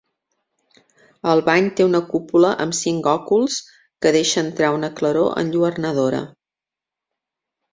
El bany té una cúpula amb cinc òculs que deixa entrar una claror enlluernadora.